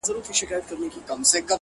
په رڼا كي يې پر زړه ځانمرگى وسي؛